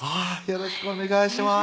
よろしくお願いします